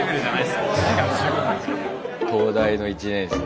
東大の１年生。